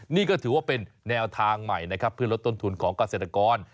นี่ก็ถือว่าเป็นแนวทางใหม่นะครับเพื่อลดต้นทุนของเกษตรกร